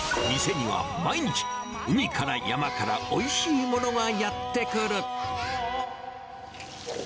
店には毎日、海から山からおいしいものがやって来る。